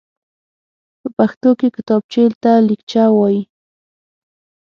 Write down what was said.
په پښتو کې کتابچېته ليکچه وايي.